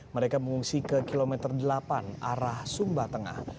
mereka mengungsi ke kilometer delapan arah sumba tengah